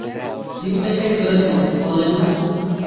জীবিত একটাকে ধরেছেন বললেন না?